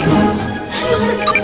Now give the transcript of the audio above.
aduh aduh aduh